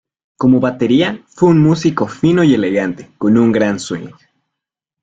Como batería, fue un músico fino y elegante, con un gran swing.